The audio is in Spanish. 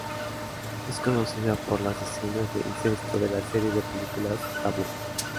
Es conocida por las escenas de incesto de la serie de películas Taboo.